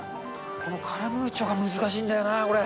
このカラムーチョが難しいんだよな、これ。